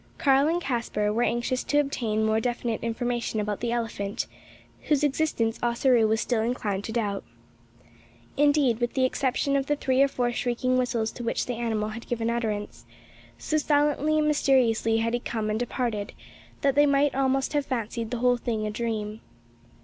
Karl and Caspar were anxious to obtain more definite information about the elephant, whose existence Ossaroo was still inclined to doubt. Indeed, with the exception of the three or four shrieking whistles to which the animal had given utterance, so silently and mysteriously had he come and departed, that they might almost have fancied the whole thing a dream.